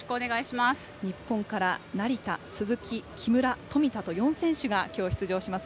日本から、成田、鈴木、木村富田と４選手がきょう出場します。